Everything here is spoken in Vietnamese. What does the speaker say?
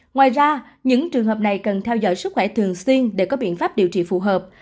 ngoài ra những trường hợp này cần theo dõi sức khỏe thường xuyên để có biện pháp điều trị phù hợp